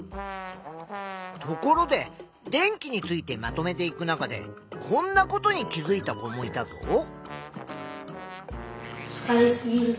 ところで電気についてまとめていく中でこんなことに気づいた子もいたぞ。